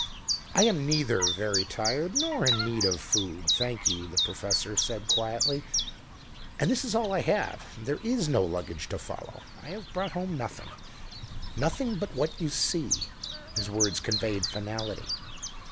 "I am neither very tired, nor in need of food, thank you," the professor said quietly. "And this is all I have. There is no luggage to follow. I have brought home nothing nothing but what you see." His words conveyed finality.